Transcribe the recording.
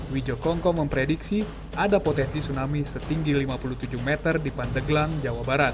wijokongko memprediksi ada potensi tsunami setinggi lima puluh tujuh meter di pandeglang jawa barat